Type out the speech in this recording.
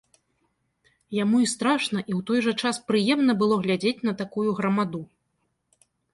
Яму і страшна і ў той жа час прыемна было глядзець на такую грамаду.